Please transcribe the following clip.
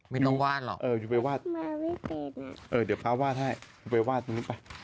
มาให้วาดนี่